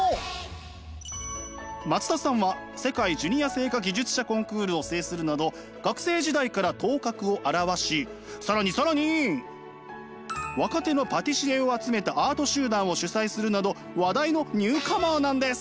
松田さんは世界ジュニア製菓技術者コンクールを制するなど学生時代から頭角を現し更に更に若手のパティシエを集めたアート集団を主催するなど話題のニューカマーなんです。